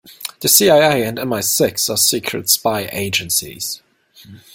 The CIA and MI-Six are secret spy agencies.